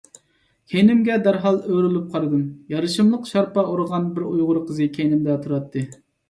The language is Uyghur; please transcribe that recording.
كەينىمگە دەرھال ئۆرۈلۈپ قارىدىم. يارىشىملىق شارپا ئورىغان بىر ئۇيغۇر قىز كەينىمدە تۇراتتى.